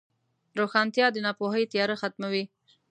روښانتیا د ناپوهۍ تیاره ختموي.